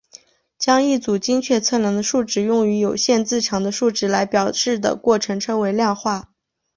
将一组精确测量的数值用有限字长的数值来表示的过程称为量化。